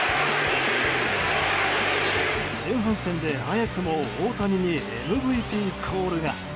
前半戦で早くも大谷にＭＶＰコールが。